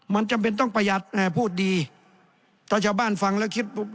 มันจำเป็นต้องประหยัดพูดดีถ้าชาวบ้านฟังแล้วคิดปุ๊บ